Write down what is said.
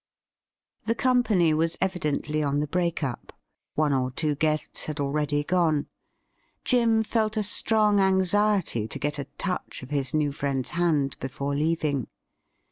The company was evidently on the break up. One or two guests had already gone. Jim felt a strong anxiety to get a touch of his new friend's hand before leaving.